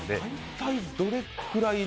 大体どれくらいの。